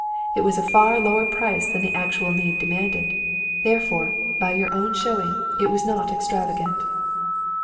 It was a far lower price than the actual need demanded; therefore, by your own showing, it was not extravagant."